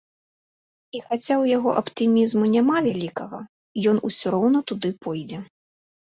І хаця ў яго аптымізму няма вялікага, ён ўсё роўна туды пойдзе.